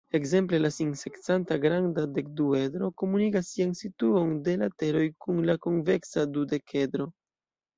Ekzemple la sin-sekcanta granda dekduedro komunigas sian situon de lateroj kun la konveksa dudekedro.